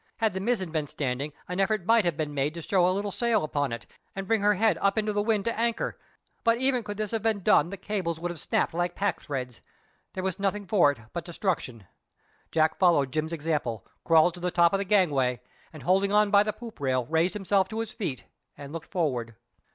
Had the mizzen been standing an effort might have been made to show a little sail upon it, and bring her head up into the wind to anchor; but even could this have been done the cables would have snapped like pack threads. There was nothing for it but destruction. Jack followed Jim's example—crawled to the top of the gangway, and holding on by the poop rail raised himself to his feet and looked forward.